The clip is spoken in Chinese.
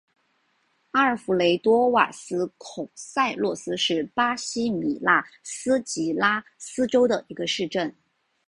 阿尔弗雷多瓦斯孔塞洛斯是巴西米纳斯吉拉斯州的一个市镇。